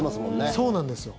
そうなんですよ。